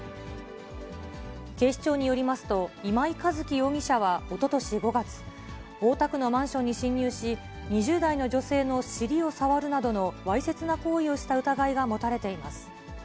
警視庁によりますと、今井一希容疑者はおととし５月、大田区のマンションに侵入し、２０代の女性の尻を触るなどのわいせつな行為をした疑いが持たれています。